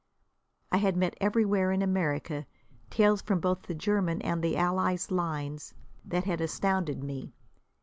I had met everywhere in America tales from both the German and the Allies' lines that had astounded me.